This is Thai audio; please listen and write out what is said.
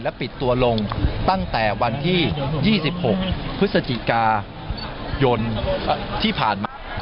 ปิดตัวลงตั้งแต่วันที่๒๖พฤศจิกายนที่ผ่านมา